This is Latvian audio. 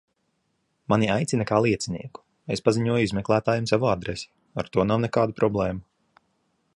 Mani aicina kā liecinieku, es paziņoju izmeklētājam savu adresi, ar to nav nekādu problēmu.